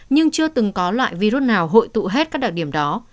nhưng chưa từng có loại virus nào hội tụ hết các đặc điểm đó